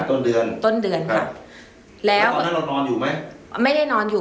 ต้นเดือนต้นเดือนค่ะแล้วตอนนั้นเรานอนอยู่ไหมไม่ได้นอนอยู่